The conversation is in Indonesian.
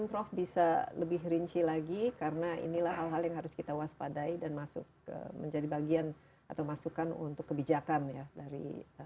jadi jika ibu lihat di jakarta ini